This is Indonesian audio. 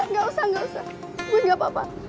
gak usah gak usah gue gak apa apa